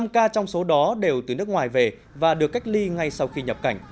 năm ca trong số đó đều từ nước ngoài về và được cách ly ngay sau khi nhập cảnh